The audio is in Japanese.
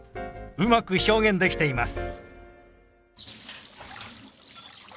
うまく表現できています。